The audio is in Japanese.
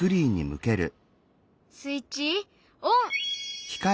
スイッチオン！